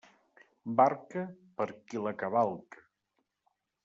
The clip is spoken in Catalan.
Barca, per qui la cavalca.